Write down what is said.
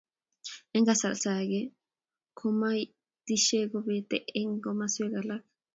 Eng kasarta age komutisiet kobete eng komaswek alak.